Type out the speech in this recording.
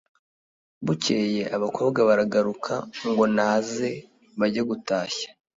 bukeye abakobwa baragaruka ngo naze bajye gutashya;